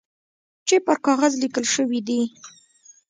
چي پر کاغذ لیکل شوي دي .